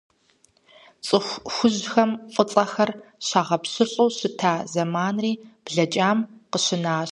ЦӀыху хужьхэм фӀыцӀэхэр щагъэпщылӀу щыщыта зэманри блэкӀам къыщынащ.